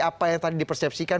apa yang tadi di persepsikan